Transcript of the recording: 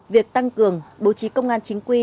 việc tăng cường bố trí công an chính quy